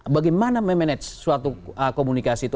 bagaimana memanage suatu komunikasi itu